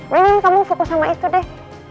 wenen kamu fokus sama itu deh